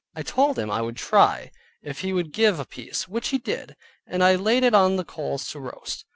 I told him, I would try, if he would give a piece, which he did, and I laid it on the coals to roast.